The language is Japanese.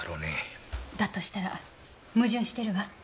だとしたら矛盾してるわ。